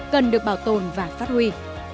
cần được bảo tồn và phát huy